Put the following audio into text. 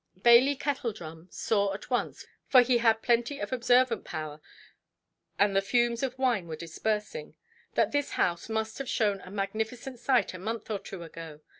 Bailey Kettledrum saw at once—for he had plenty of observant power, and the fumes of wine were dispersing—that this house must have shown a magnificent sight, a month or two ago.